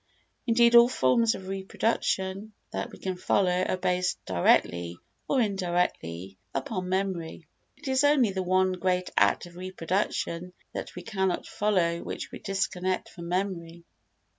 Indeed all forms of reproduction that we can follow are based directly or indirectly upon memory. It is only the one great act of reproduction that we cannot follow which we disconnect from memory.